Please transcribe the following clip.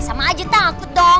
sama aja takut dong